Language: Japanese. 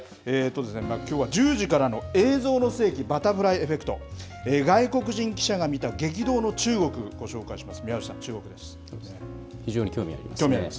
きょうは１０時からの映像の世紀バタフライエフェクト、外国人記者が見た激動の中国、ご紹介します。